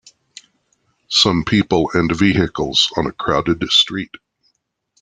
Some people and vehicles on a crowded street.